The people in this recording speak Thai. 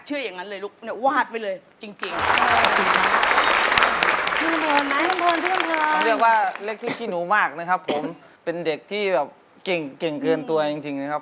เจลน่าลูกยังขนาดนี้